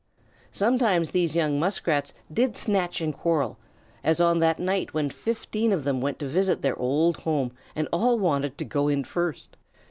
Sometimes these young Muskrats did snatch and quarrel, as on that night when fifteen of them went to visit their old home and all wanted to go in first.